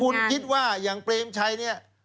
คุณคิดว่าอย่างเปรมชัย